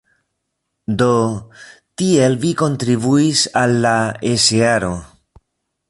Do, tiel vi kontribuis al la esearo!